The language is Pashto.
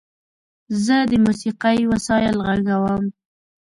زه د موسیقۍ وسایل غږوم.